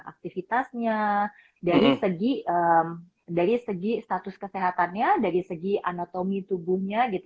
aktivitasnya dari segi status kesehatannya dari segi anatomi tubuhnya gitu